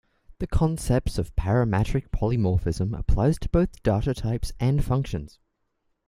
The concept of parametric polymorphism applies to both data types and functions.